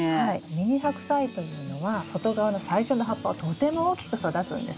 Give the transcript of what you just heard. ミニハクサイというのは外側の最初の葉っぱはとても大きく育つんです。